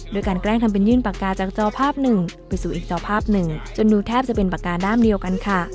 แกล้งทำเป็นยื่นปากกาจากจอภาพหนึ่งไปสู่อีกจอภาพหนึ่งจนดูแทบจะเป็นปากกาด้ามเดียวกันค่ะ